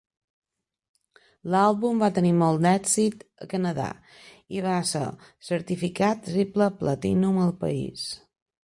L'àlbum va tenir molt èxit a Canadà, i va ésser certificat Triple Platinum al país.